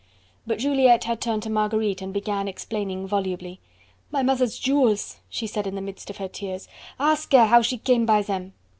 But Juliette had turned to Marguerite and began explaining volubly: "My mother's jewels!" she said in the midst of her tears, "ask her how she came by them.